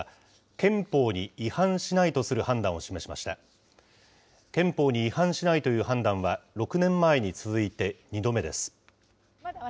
憲法に違反しないという判断は６年前に続いて２度目です。